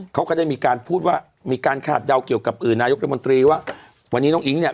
เขาก็ได้มีการพูดว่ามีการขาดเดาเกี่ยวกับนายกรัฐมนตรีว่าวันนี้น้องอิ๊งเนี่ย